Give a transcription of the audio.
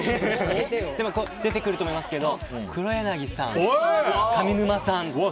出てくると思いますけど黒柳さん、上沼さん。